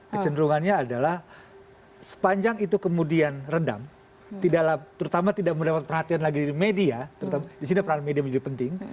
kecenderungannya adalah sepanjang itu kemudian redam terutama tidak mendapat perhatian lagi dari media disini peran media menjadi penting